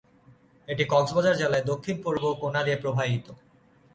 এটি কক্সবাজার জেলার দক্ষিণ পূর্ব কোনা দিয়ে প্রবাহিত।